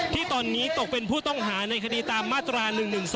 ที่ตอนนี้ตกเป็นผู้ต้องหาในคดีตามมาตรา๑๑๒